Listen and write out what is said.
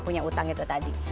punya utang itu tadi